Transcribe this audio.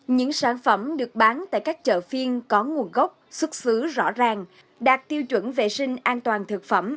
những sản phẩm được bán tại các chợ phiên có nguồn gốc xuất xứ rõ ràng đạt tiêu chuẩn vệ sinh an toàn thực phẩm